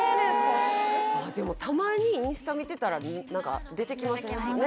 でもたまにインスタ見てたら何か出てきません？